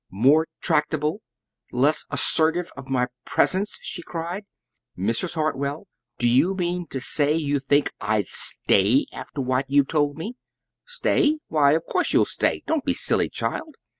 "More tractable! Less assertive of my presence!" she cried. "Mrs. Hartwell, do you mean to say you think I'd STAY after what you've told me?" "Stay? Why, of course you'll stay! Don't be silly, child.